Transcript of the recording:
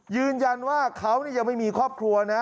ยืนยันว่าเขายังไม่มีครอบครัวนะ